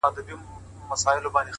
نیک عمل تر خبرو ډېر اغېز لري،